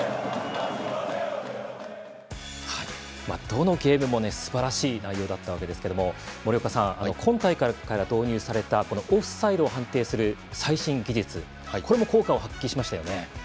どのゲームもすばらしい内容だったわけですけど森岡さん、今大会から導入されたオフサイドを判定する最新技術、これも効果を発揮しましたよね。